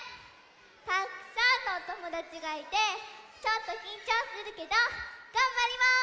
たくさんのおともだちがいてちょっときんちょうするけどがんばります！